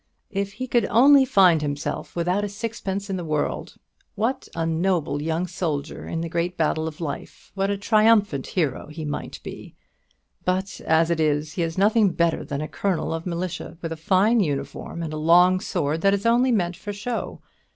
If he could only find himself without a sixpence in the world, what a noble young soldier in the great battle of life, what a triumphant hero, he might be! But as it is, he is nothing better than a colonel of militia, with a fine uniform, and a long sword that is only meant for show.